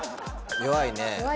弱いね。